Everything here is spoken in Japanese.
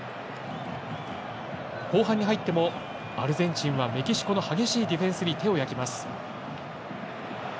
後半に入ってもアルゼンチンはメキシコの激しいディフェンスに手を焼きます。